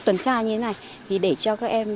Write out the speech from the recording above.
tuần tra như thế này thì để cho các em